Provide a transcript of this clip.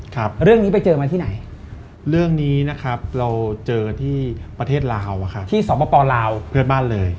ครับเรื่องนี้ไปเจอมาที่ไหนเรื่องนี้นะครับเราเจอที่ประเทศลาวอะครับที่สปลาวเพื่อนบ้านเลย